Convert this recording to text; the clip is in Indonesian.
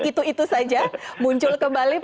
itu itu saja muncul kembali